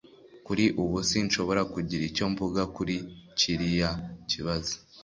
Kuri ubu sinshobora kugira icyo mvuga kuri kiriya kibazo